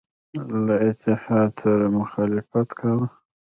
له اتحاد سره مخالفت کاوه.